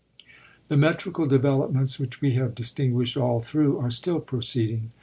The metrical developments which we have distin guisht all thru are still proceeding.